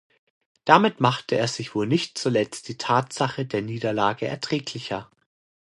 Damit machte er sich wohl nicht zuletzt die Tatsache der Niederlage erträglicher.